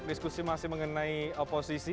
diskusi masih mengenai oposisi